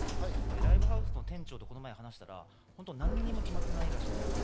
ライブハウスの店長とこの前話したら何も決まってないらしいんです。